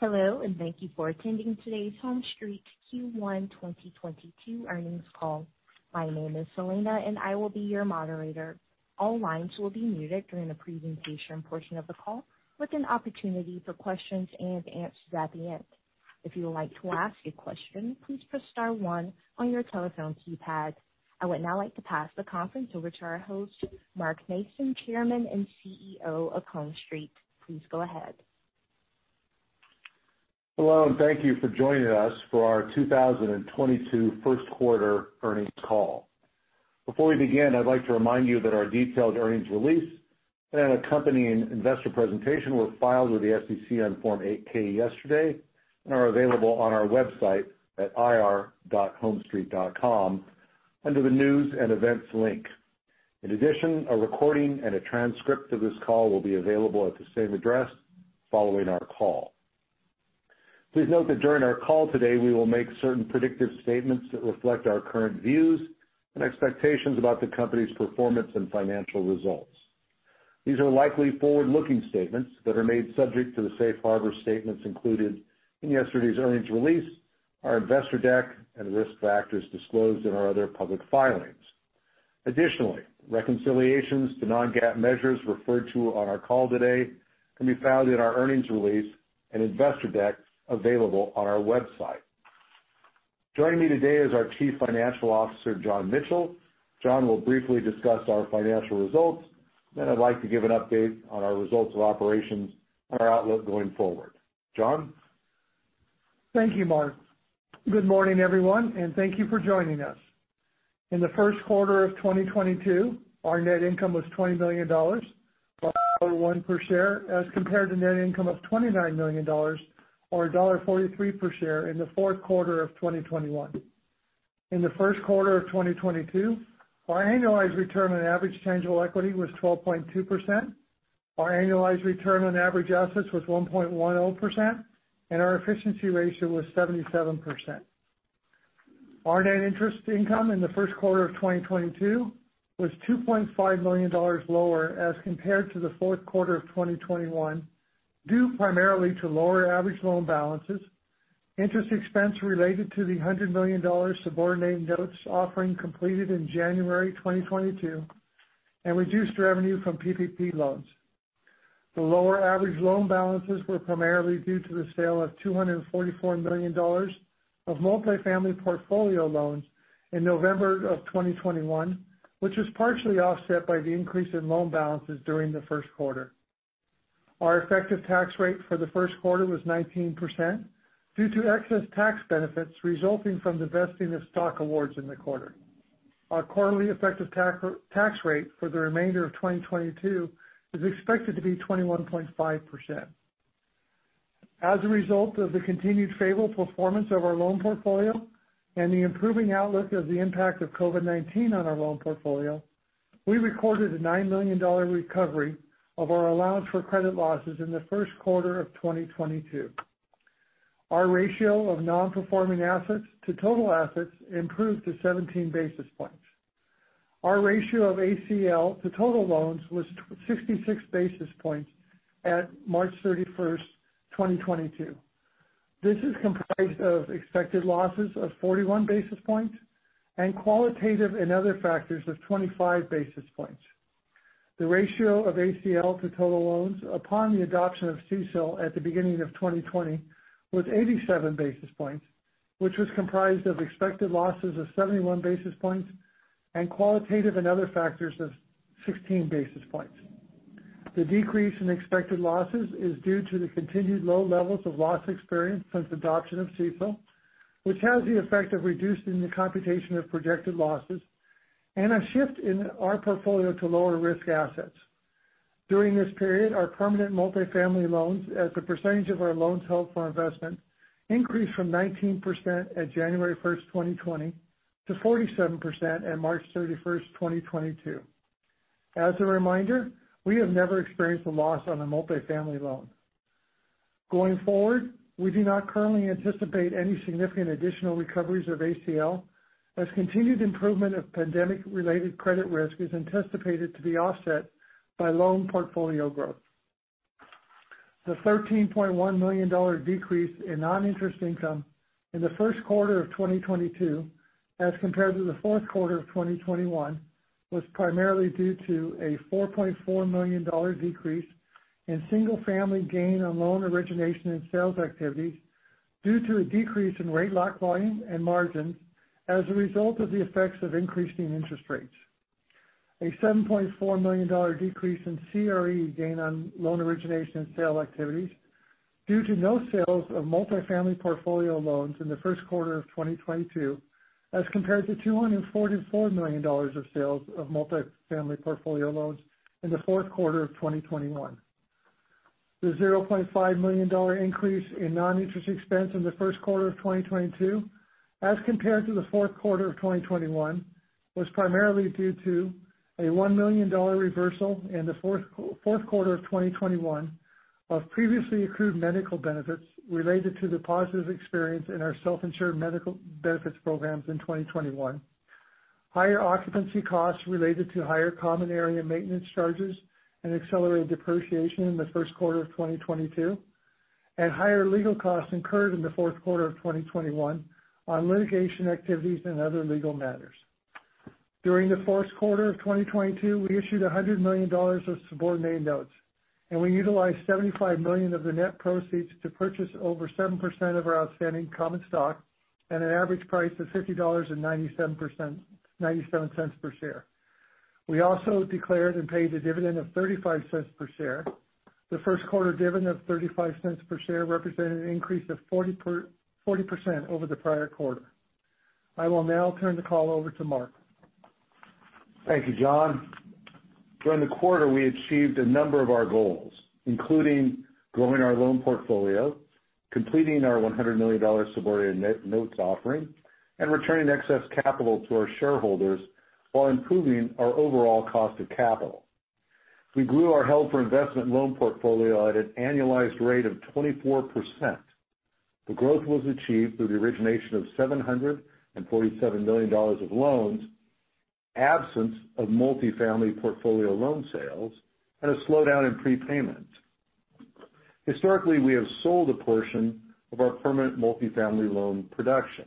Hello, and thank you for attending today's HomeStreet Q1 2022 earnings call. My name is Selena, and I will be your moderator. All lines will be muted during the presentation portion of the call, with an opportunity for questions and answers at the end. If you would like to ask a question, please press star one on your telephone keypad. I would now like to pass the conference over to our host, Mark Mason, Chairman and CEO of HomeStreet. Please go ahead. Hello, and thank you for joining us for our 2022 first quarter earnings call. Before we begin, I'd like to remind you that our detailed earnings release and accompanying investor presentation were filed with the SEC on Form 8-K yesterday and are available on our website at ir.homestreet.com under the News & Events link. In addition, a recording and a transcript of this call will be available at the same address following our call. Please note that during our call today, we will make certain predictive statements that reflect our current views and expectations about the company's performance and financial results. These are likely forward-looking statements that are made subject to the safe harbor statements included in yesterday's earnings release, our investor deck, and risk factors disclosed in our other public filings. Additionally, reconciliations to non-GAAP measures referred to on our call today can be found in our earnings release and investor deck available on our website. Joining me today is our Chief Financial Officer, John Mitchell. John will briefly discuss our financial results, then I'd like to give an update on our results of operations and our outlook going forward. John? Thank you, Mark. Good morning, everyone, and thank you for joining us. In the first quarter of 2022, our net income was $20 million, or $1.01 per share, as compared to net income of $29 million, or $1.43 per share in the fourth quarter of 2021. In the first quarter of 2022, our annualized return on average tangible equity was 12.2%, our annualized return on average assets was 1.10%, and our efficiency ratio was 77%. Our net interest income in the first quarter of 2022 was $2.5 million lower as compared to the fourth quarter of 2021, due primarily to lower average loan balances, interest expense related to the $100 million subordinated notes offering completed in January 2022, and reduced revenue from PPP loans. The lower average loan balances were primarily due to the sale of $244 million of multifamily portfolio loans in November 2021, which was partially offset by the increase in loan balances during the first quarter. Our effective tax rate for the first quarter was 19% due to excess tax benefits resulting from the vesting of stock awards in the quarter. Our quarterly effective tax rate for the remainder of 2022 is expected to be 21.5%. As a result of the continued favorable performance of our loan portfolio and the improving outlook of the impact of COVID-19 on our loan portfolio, we recorded a $9 million recovery of our allowance for credit losses in the first quarter of 2022. Our ratio of non-performing assets to total assets improved to 17 basis points. Our ratio of ACL to total loans was twenty-six basis points at March 31, 2022. This is comprised of expected losses of 41 basis points and qualitative and other factors of 25 basis points. The ratio of ACL to total loans upon the adoption of CECL at the beginning of 2020 was 87 basis points, which was comprised of expected losses of 71 basis points and qualitative and other factors of 16 basis points. The decrease in expected losses is due to the continued low levels of loss experience since adoption of CECL, which has the effect of reducing the computation of projected losses and a shift in our portfolio to lower risk assets. During this period, our permanent multifamily loans as a percentage of our loans held for investment increased from 19% at January 1, 2020 to 47% at March 31, 2022. As a reminder, we have never experienced a loss on a multifamily loan. Going forward, we do not currently anticipate any significant additional recoveries of ACL, as continued improvement of pandemic-related credit risk is anticipated to be offset by loan portfolio growth. The $13.1 million decrease in non-interest income in the first quarter of 2022, as compared to the fourth quarter of 2021, was primarily due to a $4.4 million decrease in single-family gain on loan origination and sales activities due to a decrease in rate lock volume and margin as a result of the effects of increasing interest rates. A $7.4 million decrease in CRE gain on loan origination and sale activities due to no sales of multifamily portfolio loans in the first quarter of 2022, as compared to $244 million of sales of multifamily portfolio loans in the fourth quarter of 2021. The $0.5 million increase in non-interest expense in the first quarter of 2022, as compared to the fourth quarter of 2021, was primarily due to a $1 million reversal in the fourth quarter of 2021 of previously accrued medical benefits related to the positive experience in our self-insured medical benefits programs in 2021. Higher occupancy costs related to higher common area maintenance charges and accelerated depreciation in the first quarter of 2022, and higher legal costs incurred in the fourth quarter of 2021 on litigation activities and other legal matters. During the fourth quarter of 2022, we issued $100 million of subordinate notes, and we utilized $75 million of the net proceeds to purchase over 7% of our outstanding common stock at an average price of $50.97 per share. We also declared and paid a dividend of $0.35 per share. The first quarter dividend of $0.35 per share represented an increase of 40% over the prior quarter. I will now turn the call over to Mark. Thank you, John. During the quarter, we achieved a number of our goals, including growing our loan portfolio, completing our $100 million subordinated notes offering, and returning excess capital to our shareholders while improving our overall cost of capital. We grew our held-for-investment loan portfolio at an annualized rate of 24%. The growth was achieved through the origination of $747 million of loans, absence of multifamily portfolio loan sales, and a slowdown in prepayments. Historically, we have sold a portion of our permanent multifamily loan production.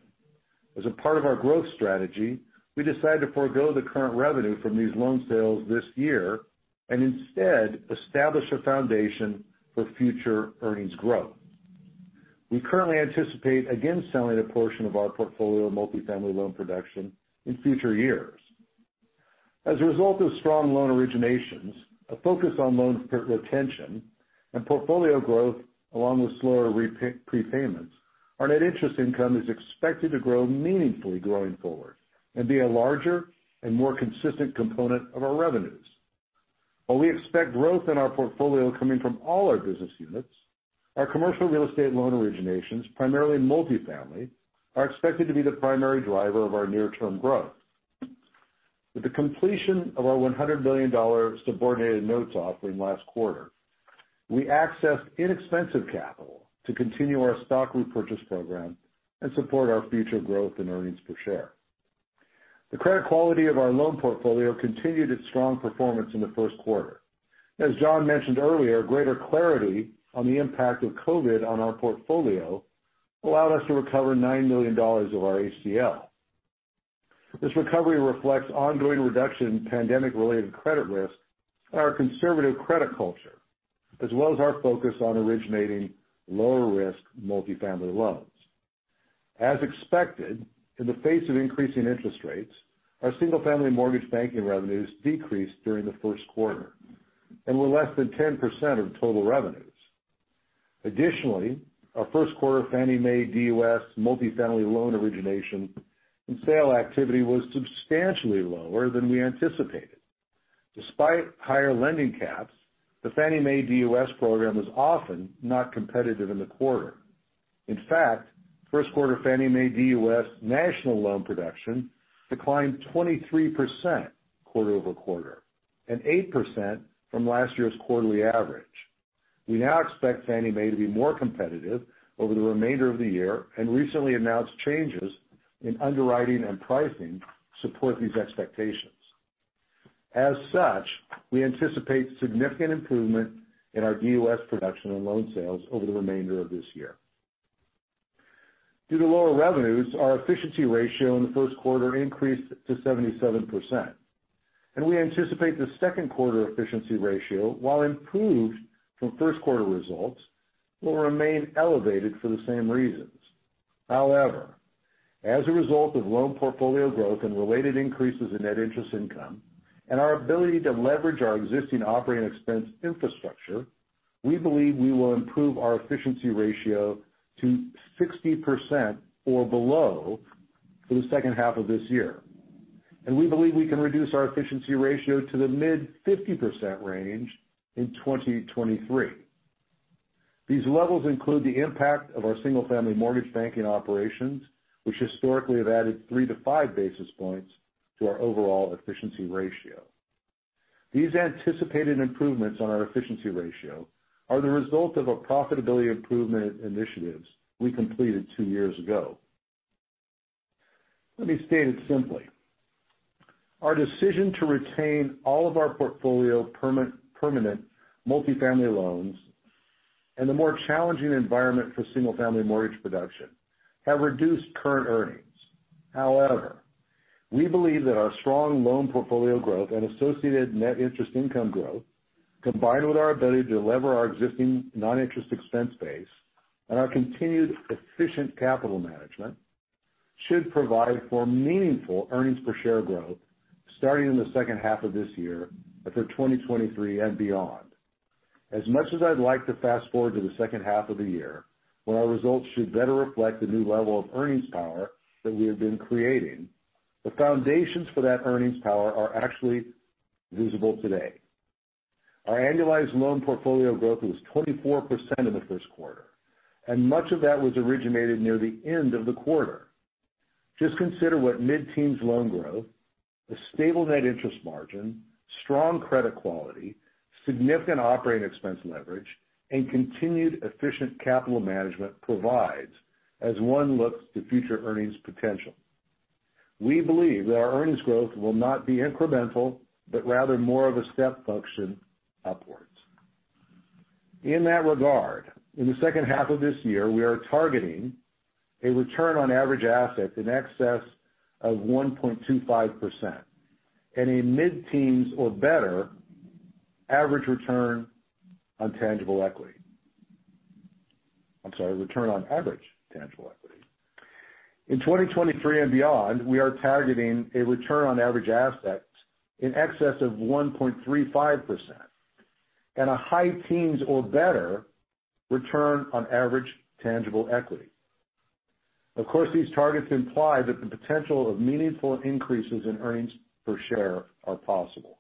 As a part of our growth strategy, we decided to forgo the current revenue from these loan sales this year and instead establish a foundation for future earnings growth. We currently anticipate again selling a portion of our portfolio of multifamily loan production in future years. As a result of strong loan originations, a focus on loan portfolio retention, and portfolio growth, along with slower prepayments, our net interest income is expected to grow meaningfully going forward and be a larger and more consistent component of our revenues. While we expect growth in our portfolio coming from all our business units, our commercial real estate loan originations, primarily in multifamily, are expected to be the primary driver of our near-term growth. With the completion of our $100 million subordinated notes offering last quarter, we accessed inexpensive capital to continue our stock repurchase program and support our future growth in earnings per share. The credit quality of our loan portfolio continued its strong performance in the first quarter. As John mentioned earlier, greater clarity on the impact of COVID on our portfolio allowed us to recover $9 million of our ACL. This recovery reflects ongoing reduction in pandemic-related credit risk and our conservative credit culture, as well as our focus on originating lower-risk multifamily loans. As expected, in the face of increasing interest rates, our single-family mortgage banking revenues decreased during the first quarter and were less than 10% of total revenues. Additionally, our first quarter Fannie Mae DUS multifamily loan origination and sale activity was substantially lower than we anticipated. Despite higher lending caps, the Fannie Mae DUS program was often not competitive in the quarter. In fact, first quarter Fannie Mae DUS national loan production declined 23% quarter over quarter and 8% from last year's quarterly average. We now expect Fannie Mae to be more competitive over the remainder of the year, and recently announced changes in underwriting and pricing support these expectations. As such, we anticipate significant improvement in our DUS production and loan sales over the remainder of this year. Due to lower revenues, our efficiency ratio in the first quarter increased to 77%, and we anticipate the second quarter efficiency ratio, while improved from first quarter results, will remain elevated for the same reasons. However, as a result of loan portfolio growth and related increases in net interest income and our ability to leverage our existing operating expense infrastructure, we believe we will improve our efficiency ratio to 60% or below for the second half of this year. We believe we can reduce our efficiency ratio to the mid-50% range in 2023. These levels include the impact of our single-family mortgage banking operations, which historically have added 3-5 basis points to our overall efficiency ratio. These anticipated improvements on our efficiency ratio are the result of a profitability improvement initiatives we completed two years ago. Let me state it simply. Our decision to retain all of our portfolio permanent multifamily loans and the more challenging environment for single-family mortgage production have reduced current earnings. However, we believe that our strong loan portfolio growth and associated net interest income growth, combined with our ability to lever our existing non-interest expense base and our continued efficient capital management, should provide for meaningful earnings per share growth starting in the second half of this year and for 2023 and beyond. As much as I'd like to fast-forward to the second half of the year, when our results should better reflect the new level of earnings power that we have been creating, the foundations for that earnings power are actually visible today. Our annualized loan portfolio growth was 24% in the first quarter, and much of that was originated near the end of the quarter. Just consider what mid-teens loan growth, a stable net interest margin, strong credit quality, significant operating expense leverage and continued efficient capital management provides as one looks to future earnings potential. We believe that our earnings growth will not be incremental, but rather more of a step function upwards. In that regard, in the second half of this year, we are targeting a return on average assets in excess of 1.25% and a mid-teens or better average return on tangible equity. I'm sorry, return on average tangible equity. In 2023 and beyond, we are targeting a return on average assets in excess of 1.35% and a high teens or better return on average tangible equity. Of course, these targets imply that the potential of meaningful increases in earnings per share are possible.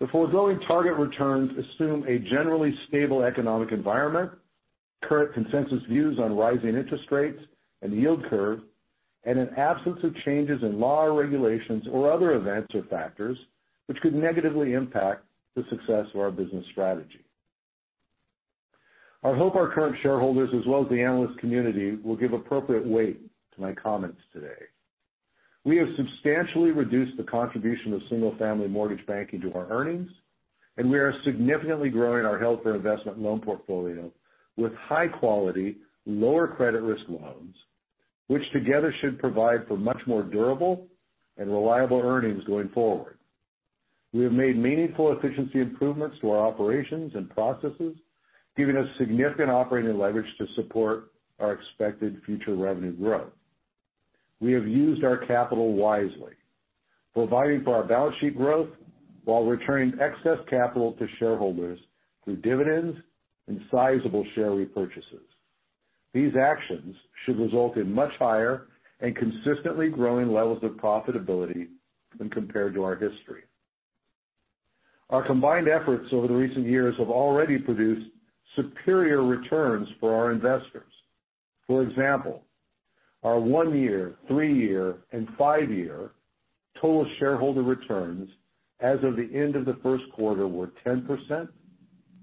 The foregoing target returns assume a generally stable economic environment, current consensus views on rising interest rates and yield curve, and an absence of changes in law or regulations or other events or factors which could negatively impact the success of our business strategy. I hope our current shareholders as well as the analyst community will give appropriate weight to my comments today. We have substantially reduced the contribution of single-family mortgage banking to our earnings, and we are significantly growing our healthcare investment loan portfolio with high quality, lower credit risk loans, which together should provide for much more durable and reliable earnings going forward. We have made meaningful efficiency improvements to our operations and processes, giving us significant operating leverage to support our expected future revenue growth. We have used our capital wisely, providing for our balance sheet growth while returning excess capital to shareholders through dividends and sizable share repurchases. These actions should result in much higher and consistently growing levels of profitability when compared to our history. Our combined efforts over the recent years have already produced superior returns for our investors. For example, our one-year, three-year, and five-year total shareholder returns as of the end of the first quarter were 10%,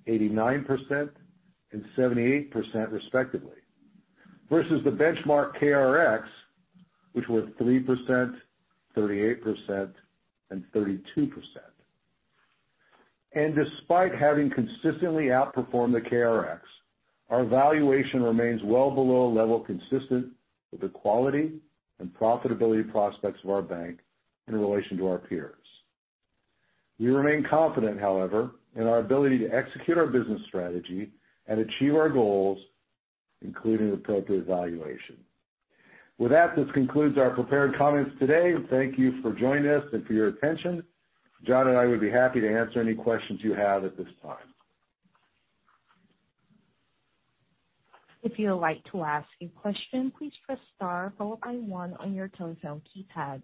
89%, and 78% respectively, versus the benchmark KRX, which was 3%, 38%, and 32%. Despite having consistently outperformed the KRX, our valuation remains well below a level consistent with the quality and profitability prospects of our bank in relation to our peers. We remain confident, however, in our ability to execute our business strategy and achieve our goals, including appropriate valuation. With that, this concludes our prepared comments today. Thank you for joining us and for your attention. John and I would be happy to answer any questions you have at this time. If you would like to ask a question, please press star followed by one on your telephone keypad.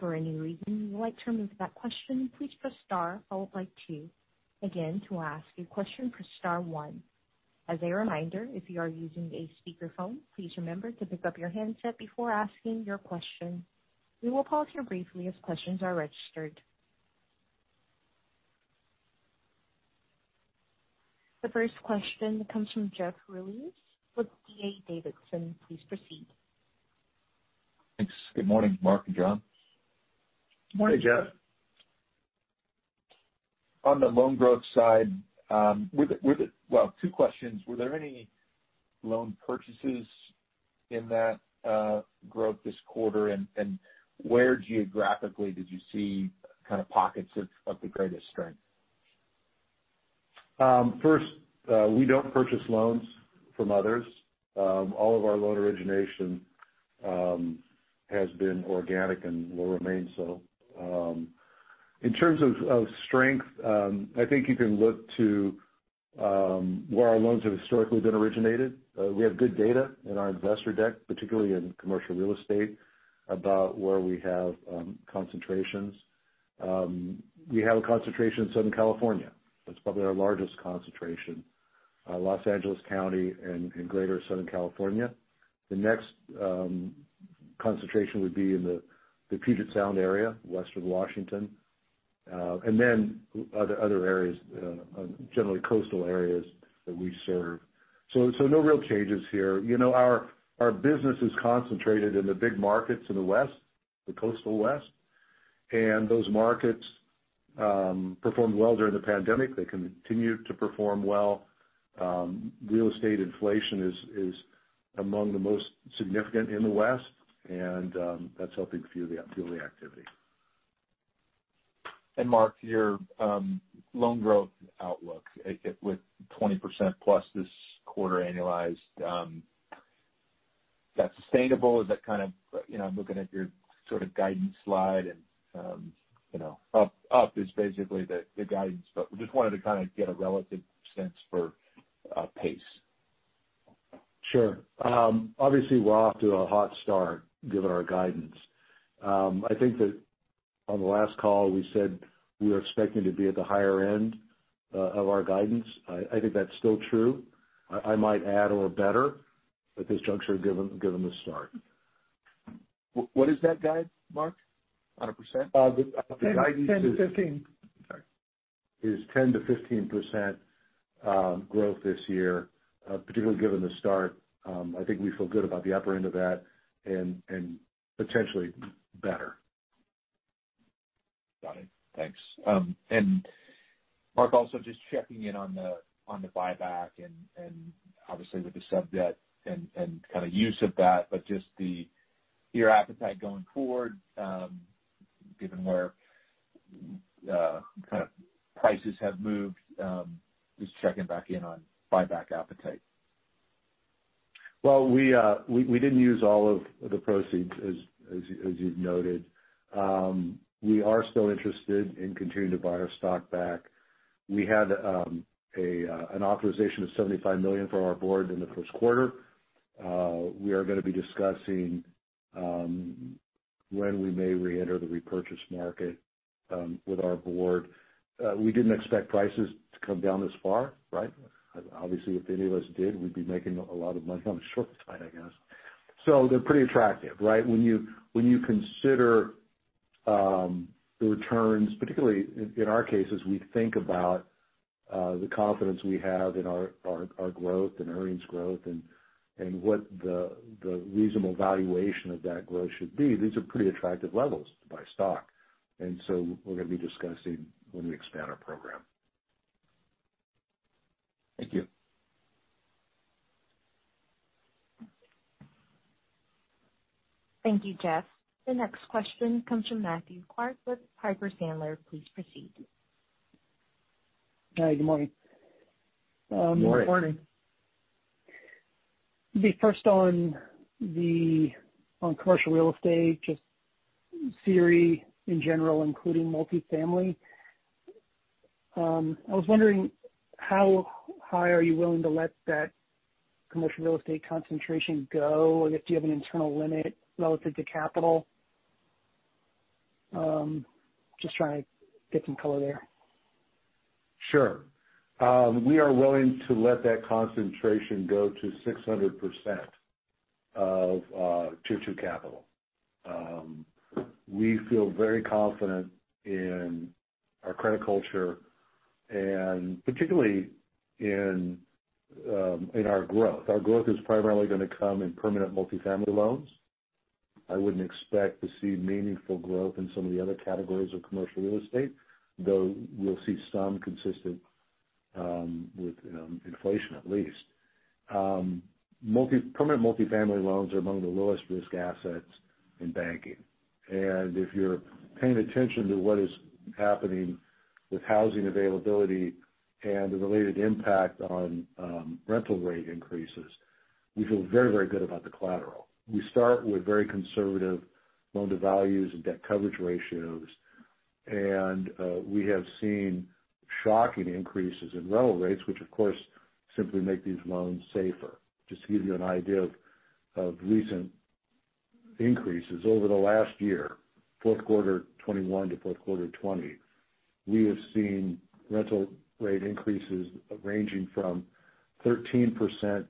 For any reason you would like to remove that question, please press star followed by two. Again, to ask a question, press star one. As a reminder, if you are using a speakerphone, please remember to pick up your handset before asking your question. We will pause here briefly as questions are registered. The first question comes from Jeff Rulis with D.A. Davidson. Please proceed. Thanks. Good morning, Mark and John. Good morning, Jeff. On the loan growth side. Well, two questions. Were there any loan purchases in that growth this quarter? And where geographically did you see kind of pockets of the greatest strength? First, we don't purchase loans from others. All of our loan origination has been organic and will remain so. In terms of strength, I think you can look to where our loans have historically been originated. We have good data in our investor deck, particularly in commercial real estate, about where we have concentrations. We have a concentration in Southern California. That's probably our largest concentration, Los Angeles County and Greater Southern California. The next concentration would be in the Puget Sound area, Western Washington, and then other areas, generally coastal areas that we serve. No real changes here. You know, our business is concentrated in the big markets in the West, the coastal West. Those markets performed well during the pandemic. They continue to perform well. Real estate inflation is among the most significant in the West, and that's helping fuel the activity. Mark, your loan growth outlook with 20%+ this quarter annualized, is that sustainable? Is that kind of, you know, looking at your sort of guidance slide and, you know, up is basically the guidance. We just wanted to kind of get a relative sense for pace. Sure. Obviously, we're off to a hot start given our guidance. I think that on the last call we said we were expecting to be at the higher end of our guidance. I think that's still true. I might add or better at this juncture given the start. What is that guide, Mark, on a percent? The guidance is. 10-15. Sorry. It's 10%-15% growth this year, particularly given the start. I think we feel good about the upper end of that and potentially better. Got it. Thanks. Mark, also just checking in on the buyback and obviously with the sub-debt and kind of use of that, but just your appetite going forward, given where kind of prices have moved, just checking back in on buyback appetite. We didn't use all of the proceeds as you noted. We are still interested in continuing to buy our stock back. We had an authorization of $75 million from our board in the first quarter. We are gonna be discussing when we may reenter the repurchase market with our board. We didn't expect prices to come down this far, right? Obviously, if any of us did, we'd be making a lot of money on the short side, I guess. They're pretty attractive, right? When you consider the returns, particularly in our cases, we think about the confidence we have in our growth and earnings growth and what the reasonable valuation of that growth should be. These are pretty attractive levels to buy stock. We're gonna be discussing when we expand our program. Thank you. Thank you, Jeff. The next question comes from Matthew Clark with Piper Sandler. Please proceed. Hi, good morning. Morning. Good morning. The first on commercial real estate, just CRE in general, including multifamily. I was wondering how high are you willing to let that commercial real estate concentration go, and if you have an internal limit relative to capital? Just trying to get some color there. Sure. We are willing to let that concentration go to 600% of Tier 2 capital. We feel very confident in our credit culture, and particularly in our growth. Our growth is primarily gonna come in permanent multifamily loans. I wouldn't expect to see meaningful growth in some of the other categories of commercial real estate, though we'll see some consistent with inflation at least. Permanent multifamily loans are among the lowest risk assets in banking. If you're paying attention to what is happening with housing availability and the related impact on rental rate increases, we feel very, very good about the collateral. We start with very conservative loan to values and debt coverage ratios. We have seen shocking increases in rental rates, which of course simply make these loans safer. Just to give you an idea of recent increases over the last year, fourth quarter 2021 to fourth quarter 2020, we have seen rental rate increases ranging from 13%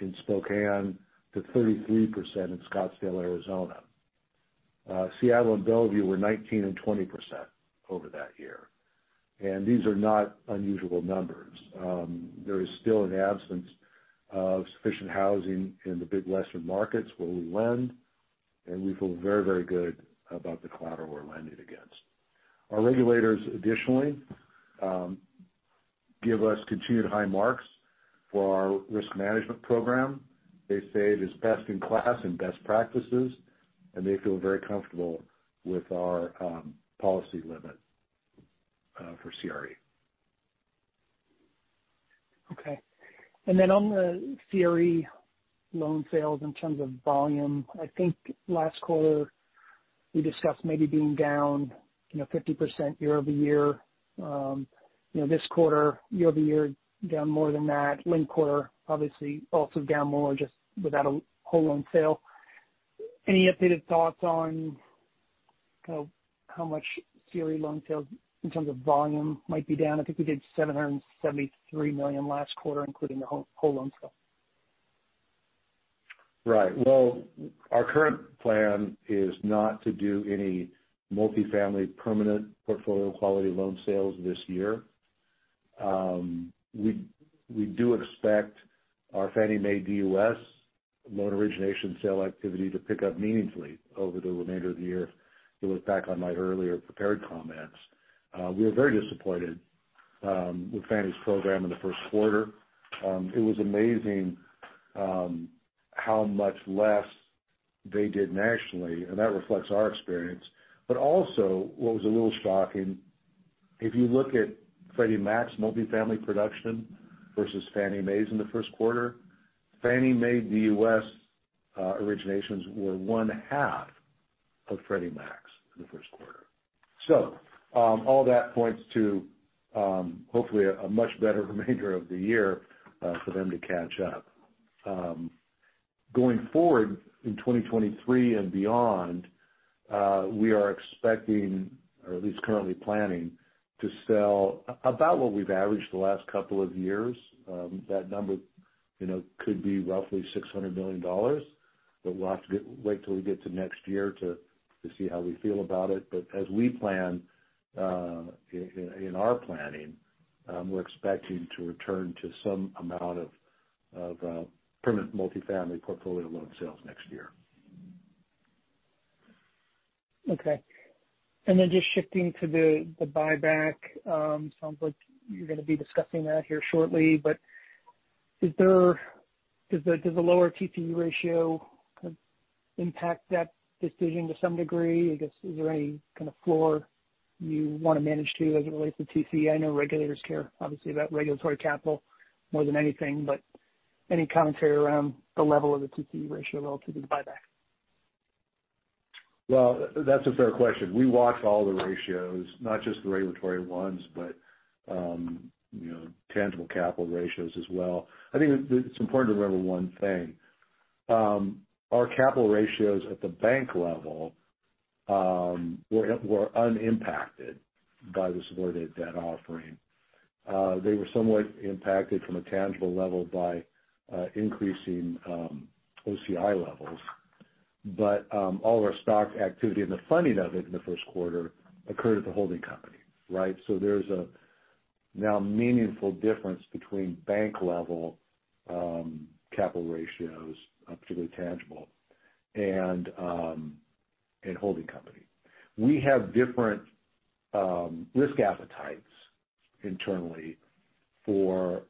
in Spokane to 33% in Scottsdale, Arizona. Seattle and Bellevue were 19% and 20% over that year. These are not unusual numbers. There is still an absence of sufficient housing in the big western markets where we lend, and we feel very, very good about the collateral we're lending against. Our regulators additionally give us continued high marks for our risk management program. They say it is best in class and best practices, and they feel very comfortable with our policy limit for CRE. Okay. On the CRE loan sales in terms of volume, I think last quarter we discussed maybe being down, you know, 50% year-over-year. You know, this quarter year-over-year, down more than that. Linked quarter, obviously also down more just without a whole loan sale. Any updated thoughts on kind of how much CRE loan sales in terms of volume might be down? I think we did $773 million last quarter, including the whole loan sale. Right. Well, our current plan is not to do any multifamily permanent portfolio quality loan sales this year. We do expect our Fannie Mae DUS loan origination sale activity to pick up meaningfully over the remainder of the year. To look back on my earlier prepared comments, we were very disappointed with Fannie's program in the first quarter. It was amazing how much less they did nationally, and that reflects our experience. Also what was a little shocking, if you look at Freddie Mac's multifamily production versus Fannie Mae's in the first quarter, Fannie Mae DUS originations were one half of Freddie Mac's in the first quarter. All that points to hopefully a much better remainder of the year for them to catch up. Going forward in 2023 and beyond, we are expecting or at least currently planning to sell about what we've averaged the last couple of years. That number, you know, could be roughly $600 million, but we'll have to wait till we get to next year to see how we feel about it. As we plan, in our planning, we're expecting to return to some amount of permanent multifamily portfolio loan sales next year. Okay. Just shifting to the buyback. Sounds like you're gonna be discussing that here shortly, but does the lower TCE ratio kind of impact that decision to some degree? I guess, is there any kind of floor you wanna manage to as it relates to TCE? I know regulators care, obviously, about regulatory capital more than anything, but any commentary around the level of the TCE ratio relative to the buyback? Well, that's a fair question. We watch all the ratios, not just the regulatory ones, but you know, tangible capital ratios as well. I think it's important to remember one thing. Our capital ratios at the bank level were unimpacted by the subordinated debt offering. They were somewhat impacted from a tangible level by increasing OCI levels. All of our stock activity and the funding of it in the first quarter occurred at the holding company, right? There's now a meaningful difference between bank-level capital ratios, particularly tangible, and holding company. We have different risk appetites internally for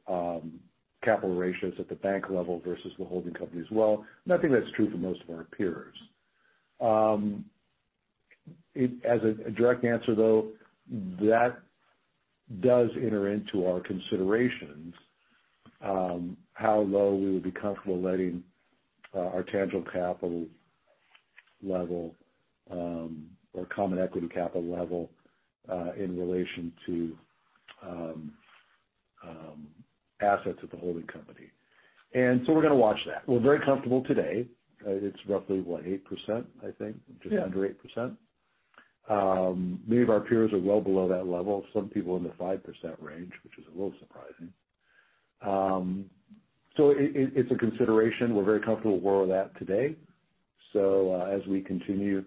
capital ratios at the bank level versus the holding company as well. I think that's true for most of our peers. As a direct answer though, that does enter into our considerations, how low we would be comfortable letting our tangible capital level or common equity capital level in relation to assets at the holding company. We're gonna watch that. We're very comfortable today. It's roughly 8%, I think. Yeah. Just under 8%. Many of our peers are well below that level. Some people in the 5% range, which is a little surprising. It's a consideration. We're very comfortable where we're at today. As we continue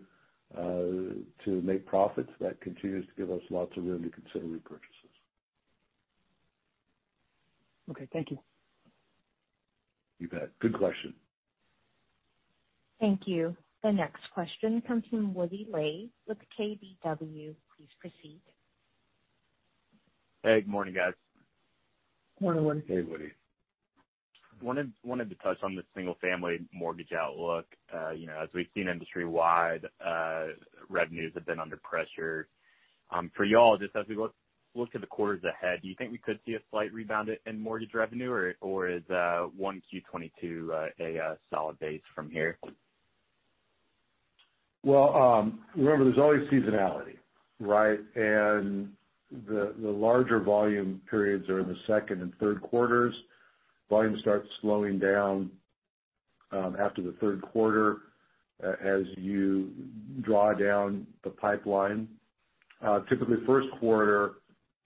to make profits, that continues to give us lots of room to consider repurchases. Okay. Thank you. You bet. Good question. Thank you. The next question comes from Woody Lay with KBW. Please proceed. Hey, good morning, guys. Morning, Woody. Hey, Woody. I wanted to touch on the single-family mortgage outlook. You know, as we've seen industry-wide, revenues have been under pressure. For y'all, just as we look to the quarters ahead, do you think we could see a slight rebound in mortgage revenue or is 1Q 2022 a solid base from here? Well, remember there's always seasonality, right? The larger volume periods are in the second and third quarters. Volume starts slowing down after the third quarter as you draw down the pipeline. Typically first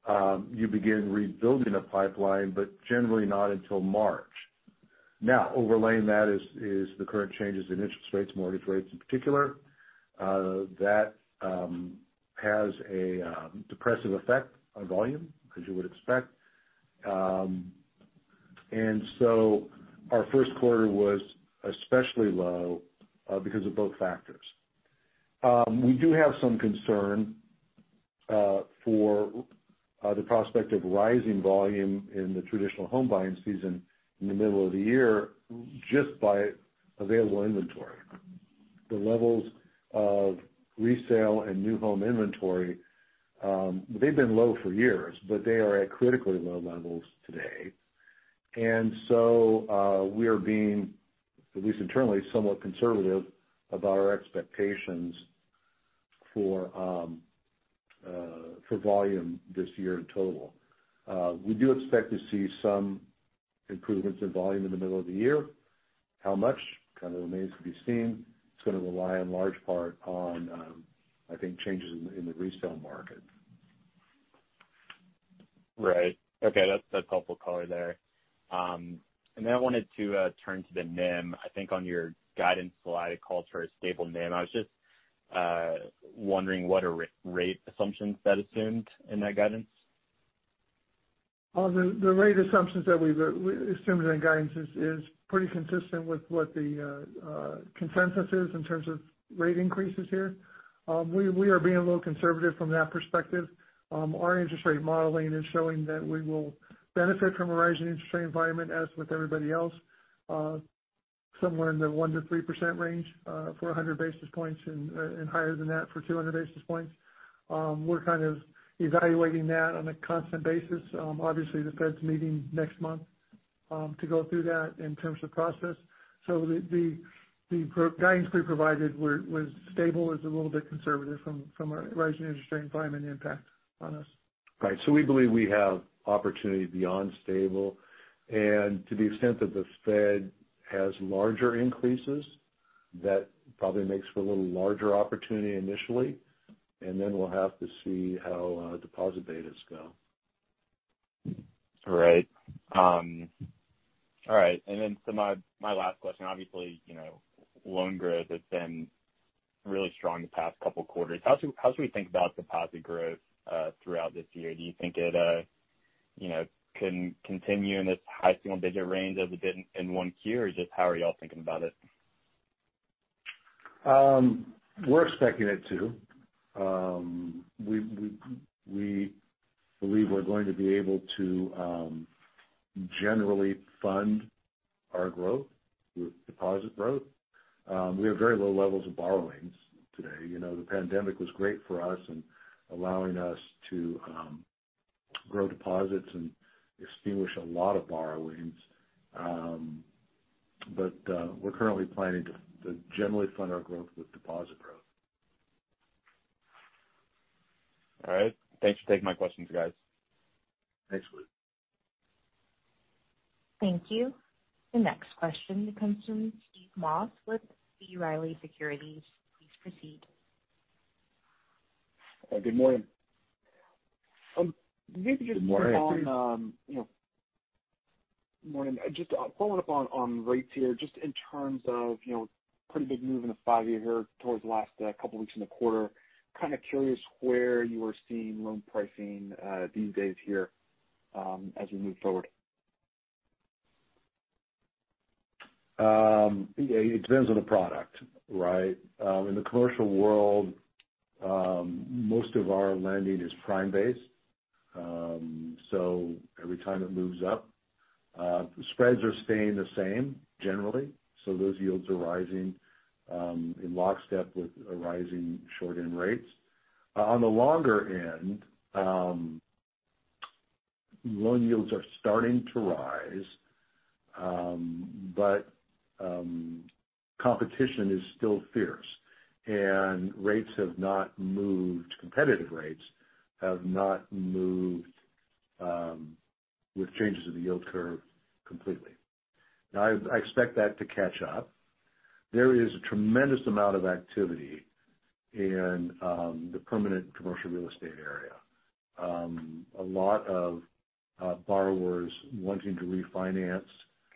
quarter you begin rebuilding a pipeline, but generally not until March. Now, overlaying that is the current changes in interest rates, mortgage rates in particular. That has a depressive effect on volume, as you would expect. Our first quarter was especially low because of both factors. We do have some concern for the prospect of rising volume in the traditional home buying season in the middle of the year just by available inventory. The levels of resale and new home inventory they've been low for years, but they are at critically low levels today. We are being, at least internally, somewhat conservative about our expectations for volume this year in total. We do expect to see some improvements in volume in the middle of the year. How much kind of remains to be seen. It's gonna rely in large part on, I think, changes in the resale market. Right. Okay. That's helpful color there. I wanted to turn to the NIM. I think on your guidance slide, it calls for a stable NIM. I was just wondering what are rate assumptions that are assumed in that guidance? The rate assumptions that we've assumed in the guidance is pretty consistent with what the consensus is in terms of rate increases here. We are being a little conservative from that perspective. Our interest rate modeling is showing that we will benefit from a rising interest rate environment as with everybody else, somewhere in the 1%-3% range, for 100 basis points and higher than that for 200 basis points. We're kind of evaluating that on a constant basis. Obviously the Fed's meeting next month to go through that in terms of process. The guidance we provided was stable, was a little bit conservative from a rising interest rate environment impact on us. Right. We believe we have opportunity beyond stable. To the extent that the Fed has larger increases, that probably makes for a little larger opportunity initially, and then we'll have to see how deposit betas go. Alright. All right. My last question, obviously, you know, loan growth has been really strong the past couple quarters. How should we think about deposit growth throughout this year? Do you think it, you know, can continue in this high single-digit range as it did in 1Q, or just how are y'all thinking about it? We're expecting it to. We believe we're going to be able to generally fund our growth with deposit growth. We have very low levels of borrowings today. You know, the pandemic was great for us in allowing us to grow deposits and extinguish a lot of borrowings. We're currently planning to generally fund our growth with deposit growth. All right. Thanks for taking my questions, guys. Thanks, Woody. Thank you. The next question comes from Steve Moss with B. Riley Securities. Please proceed. Good morning. Maybe just on, you know. Good morning. Just following up on rates here, just in terms of, you know, pretty big move in the five-year here towards the last couple weeks in the quarter. Kind of curious where you are seeing loan pricing these days here, as we move forward. It depends on the product, right? In the commercial world, most of our lending is prime-based. So every time it moves up, the spreads are staying the same generally, so those yields are rising in lockstep with a rising short-end rates. On the longer end, loan yields are starting to rise, but competition is still fierce and competitive rates have not moved with changes in the yield curve completely. Now I expect that to catch up. There is a tremendous amount of activity in the permanent commercial real estate area. A lot of borrowers wanting to refinance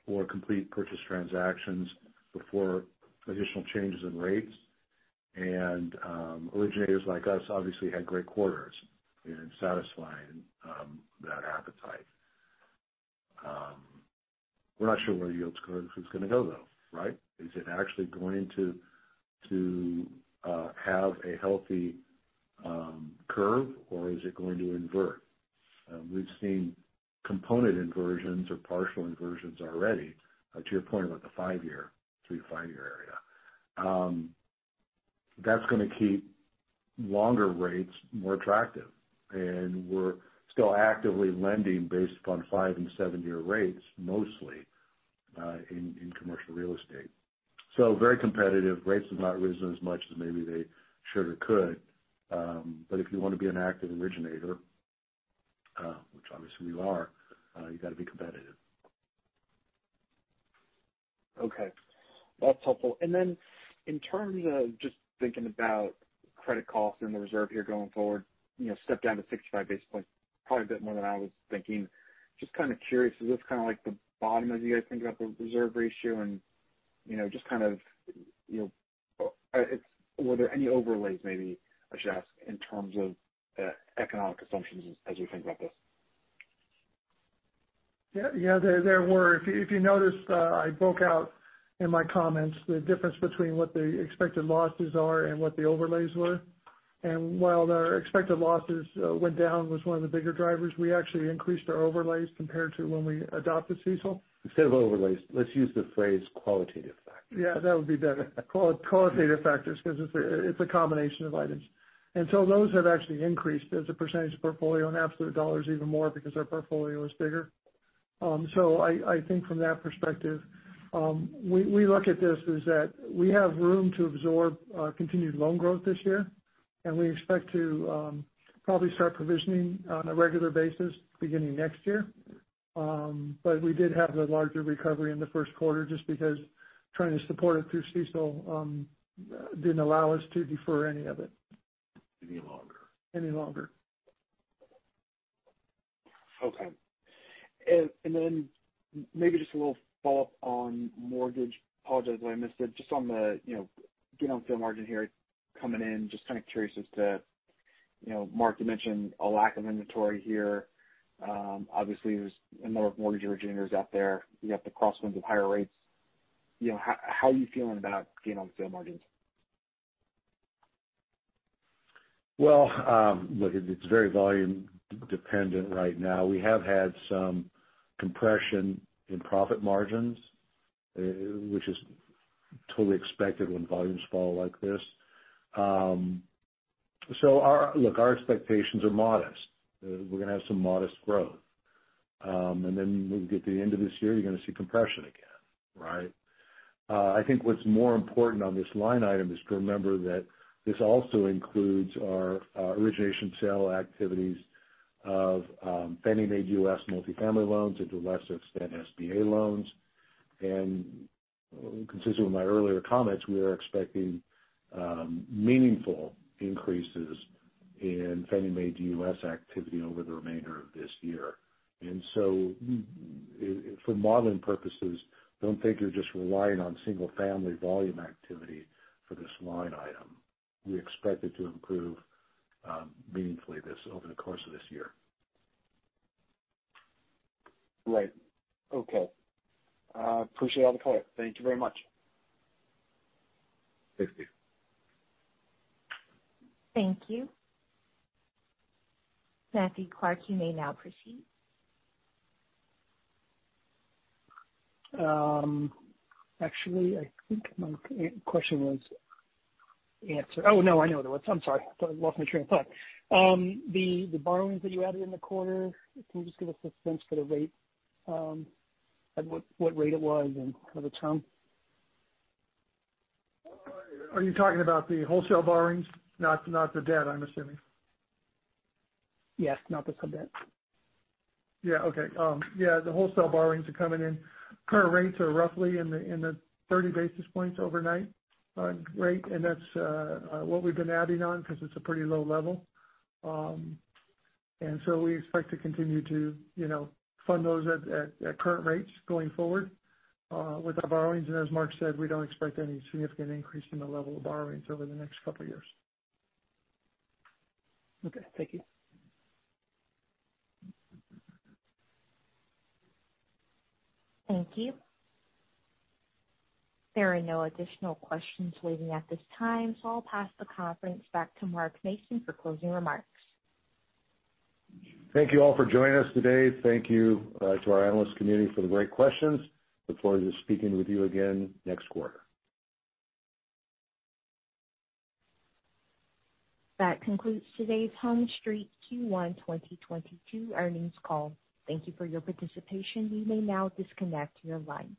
or complete purchase transactions before additional changes in rates. Originators like us obviously had great quarters in satisfying that appetite. We're not sure where the yield curve is gonna go, though, right? Is it actually going to have a healthy curve or is it going to invert? We've seen component inversions or partial inversions already, to your point about the 5-year, 3- to 5-year area. That's gonna keep longer rates more attractive, and we're still actively lending based upon 5- and 7-year rates mostly in commercial real estate. Very competitive. Rates have not risen as much as maybe they should or could. If you want to be an active originator, which obviously we are, you gotta be competitive. Okay. That's helpful. In terms of just thinking about credit costs and the reserve here going forward, you know, step down to 65 basis points, probably a bit more than I was thinking. Just kind of curious, is this kind of like the bottom as you guys think about the reserve ratio? You know, just kind of, you know, were there any overlays maybe I should ask in terms of economic assumptions as you think about this? Yeah, there were. If you noticed, I broke out in my comments the difference between what the expected losses are and what the overlays were. While our expected losses went down was one of the bigger drivers, we actually increased our overlays compared to when we adopted CECL. Instead of overlays, let's use the phrase qualitative factors. Yeah, that would be better. Qualitative factors, because it's a combination of items. Those have actually increased as a percentage of portfolio in absolute dollars even more because our portfolio is bigger. So I think from that perspective, we look at this is that we have room to absorb continued loan growth this year and we expect to probably start provisioning on a regular basis beginning next year. But we did have a larger recovery in the first quarter just because trying to support it through CECL didn't allow us to defer any of it. Any longer. Any longer. Okay. Maybe just a little follow-up on mortgage. I apologize for the way I missed it. Just on the, you know, gain on sale margin here coming in, just kind of curious as to, you know, Mark, you mentioned a lack of inventory here. Obviously, there's a number of mortgage originators out there. You got the crosswinds of higher rates. You know, how are you feeling about gain on sale margins? Well, look, it's very volume-dependent right now. We have had some compression in profit margins, which is totally expected when volumes fall like this. Look, our expectations are modest. We're gonna have some modest growth. Then when we get to the end of this year, you're gonna see compression again, right? I think what's more important on this line item is to remember that this also includes our origination sale activities of Fannie Mae DUS multifamily loans and to a lesser extent, SBA loans. Consistent with my earlier comments, we are expecting meaningful increases in Fannie Mae DUS activity over the remainder of this year. For modeling purposes, don't think you're just relying on single-family volume activity for this line item. We expect it to improve, meaningfully over the course of this year. Right. Okay. Appreciate all the color. Thank you very much. Thanks, Steve. Thank you. Matthew Clark, you may now proceed. Actually, I think my question was answered. Oh, no, I know what it was. I'm sorry. Thought I lost my train of thought. The borrowings that you added in the quarter, can you just give us a sense for the rate, at what rate it was and kind of the term? Are you talking about the wholesale borrowings? Not the debt, I'm assuming. Yes. Not the debt. Yeah, okay. Yeah, the wholesale borrowings are coming in. Current rates are roughly in the 30 basis points overnight rate. That's what we've been adding on because it's a pretty low level. We expect to continue to, you know, fund those at current rates going forward with our borrowings. As Mark said, we don't expect any significant increase in the level of borrowings over the next couple of years. Okay. Thank you. Thank you. There are no additional questions waiting at this time, so I'll pass the conference back to Mark Mason for closing remarks. Thank you all for joining us today. Thank you to our analyst community for the great questions. We look forward to speaking with you again next quarter. That concludes today's HomeStreet Q1 2022 earnings call. Thank you for your participation. You may now disconnect your line.